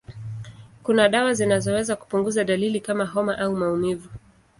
Kuna dawa zinazoweza kupunguza dalili kama homa au maumivu.